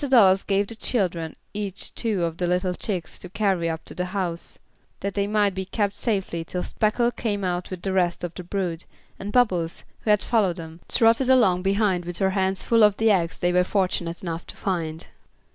Dallas gave the children each two of the little chicks to carry up to the house, that they might be kept safely till Speckle came off with the rest of the brood, and Bubbles, who had followed them, trotted along behind with her hands full of the eggs they were fortunate enough to find.